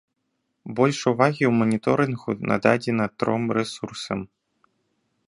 Больш увагі ў маніторынгу нададзена тром рэсурсам.